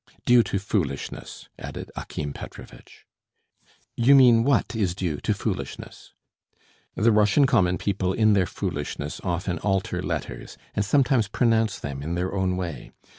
"Due to foolishness," added Akim Petrovitch. "You mean what is due to foolishness?" "The Russian common people in their foolishness often alter letters, and sometimes pronounce them in their own way.